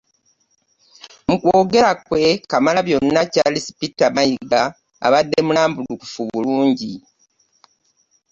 Mu kwogera kwe, Kamalabyona Charles Peter Mayiga abadde mulambulukufu bulungi.